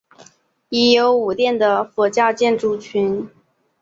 已有五殿的佛教建筑群。